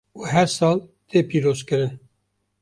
û her sal tê pîrozkirin.